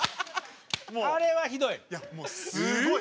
あれはひどい！